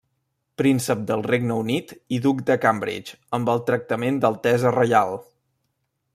Príncep del Regne Unit i duc de Cambridge amb el tractament d'altesa reial.